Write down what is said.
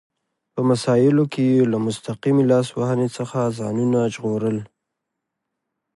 په مسایلو کې یې له مستقیمې لاس وهنې څخه ځانونه ژغورل.